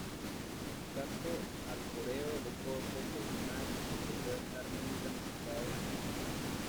Cacto arbóreo de porte columnar aunque puede estar muy ramificado desde la base.